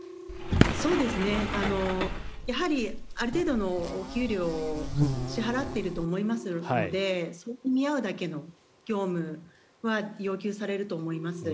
ある程度のお給料を支払っていると思いますのでそれに見合うだけの業務は要求されると思います。